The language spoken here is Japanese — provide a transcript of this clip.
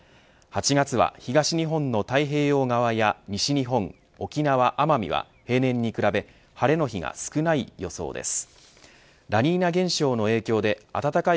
８月は東日本の太平洋側や西日本沖縄、奄美は例年に比べ晴れの日が少ない予想です。